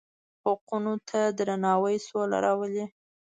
حقونو ته درناوی سوله راولي.